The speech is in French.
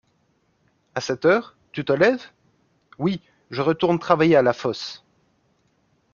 A cette heure, tu te lèves ? Oui, je retourne travailler à la fosse.